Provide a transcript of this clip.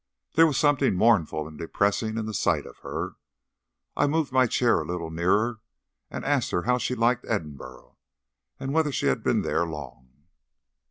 There was something mournful and depressing in the sight of her. I moved my chair a little nearer, and asked her how she liked Edinburgh, and whether she had been there long.